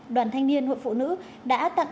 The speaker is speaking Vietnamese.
đoàn thanh niên hội phụ nữ đã tặng